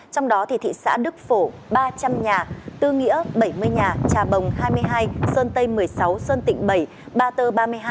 trong đó thị xã đức phổ ba trăm linh nhà tư nghĩa bảy mươi nhà trà bồng hai mươi hai sơn tây một mươi sáu sơn tịnh bảy ba tơ ba mươi hai